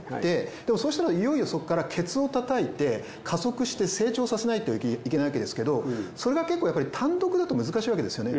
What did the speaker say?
でもそしたらいよいよそっからケツを叩いて加速して成長させないといけないわけですけどそれが結構やっぱり単独だと難しいわけですよね。